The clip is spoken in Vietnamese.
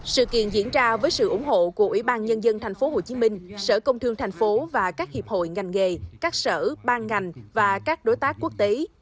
sự kiện diễn ra với sự ủng hộ của ủy ban nhân dân tp hcm sở công thương tp hcm và các hiệp hội ngành nghề các sở ban ngành và các đối tác quốc tế